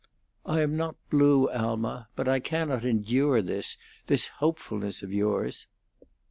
"I am not blue, Alma. But I cannot endure this this hopefulness of yours."